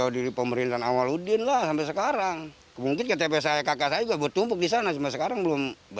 di rumah bapak ini ada berapa dipakai untuk apa listriknya